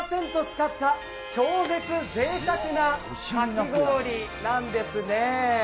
超絶ぜいたくなかき氷なんですね。